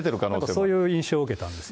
そういう印象を受けたんです。